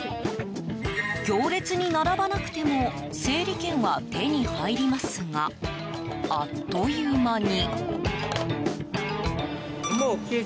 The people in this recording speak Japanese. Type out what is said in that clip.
行列に並ばなくても整理券は手に入りますがあっという間に。